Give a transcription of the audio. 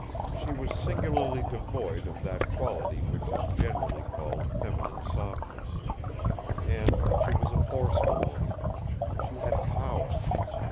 She was singularly devoid of that quality which is generally called feminine softness. And she was a forceful woman. She had power.